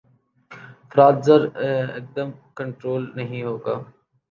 افراط زر ایکدم کنٹرول نہیں ہوگا۔